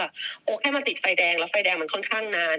โอแค่มาติดไฟแดงแล้วไฟแดงมันค่อนข้างนาน